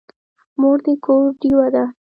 مور د کور ډېوه ده.